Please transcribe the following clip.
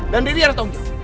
dan riri harus tanggung jawab